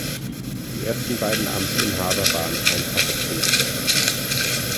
Die ersten beiden Amtsinhaber waren einfache Priester.